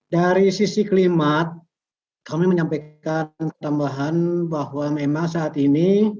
dari sisi klimat kami menyampaikan tambahan bahwa memang saat ini